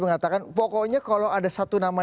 mengatakan pokoknya kalau ada satu nama